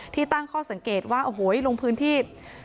ตั้งข้อสังเกตว่าโอ้โหลงพื้นที่